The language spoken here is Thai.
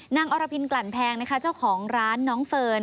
อรพินกลั่นแพงนะคะเจ้าของร้านน้องเฟิร์น